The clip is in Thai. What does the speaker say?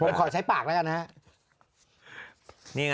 ผมขอใช้ปากได้นะ